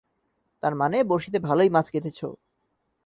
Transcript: তার মানে, বড়শিতে ভালই মাছ গেঁথেছ।